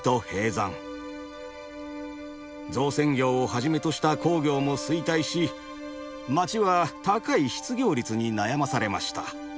造船業をはじめとした工業も衰退し街は高い失業率に悩まされました。